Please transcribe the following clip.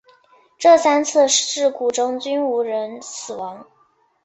这三次事故中均无人死亡。